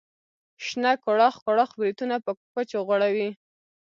شنه کوړاخ کوړاخ بریتونه په کوچو غوړوي.